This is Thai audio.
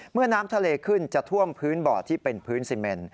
น้ำทะเลขึ้นจะท่วมพื้นบ่อที่เป็นพื้นซีเมน